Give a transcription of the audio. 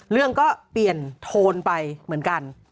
เรื่องก็เปลี่ยนโทนไปเหมือนกัน